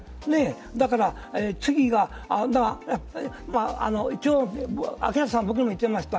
だから、次がまあ一応、明さん僕にも言っていました。